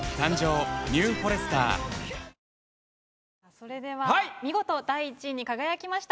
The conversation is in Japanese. それでは見事第１位に輝きました